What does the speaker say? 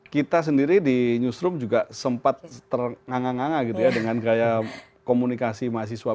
kita sendiri di newsroom juga sempat ternggang angah gitu ya dengan gaya komunikasi mahasiswa